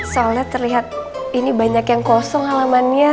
soalnya terlihat ini banyak yang kosong alamannya